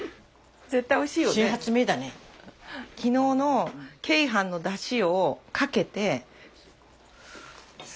昨日の鶏飯のだしをかけて。